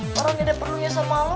mereka tidak perlu ya sama lo